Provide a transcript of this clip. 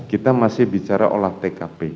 kita masih bicara olah tkp